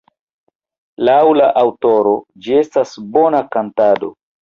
Laŭ la aŭtoro, ĝi estas bona por kantado.